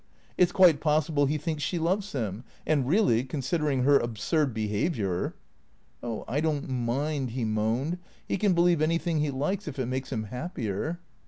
It 's quite possible he thinks she loves him ; and really, consider ing her absurd behaviour "" Oh, I don't mind," she moaned, " he can believe anything he likes if it makes him happier."